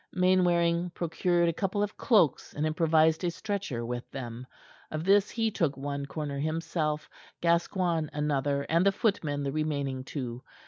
Mainwaring procured a couple of cloaks and improvised a stretcher with them. Of this he took one corner himself, Gascoigne another, and the footmen the remaining two.